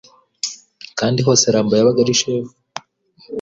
kandi hose Ramba yabaga ari shefu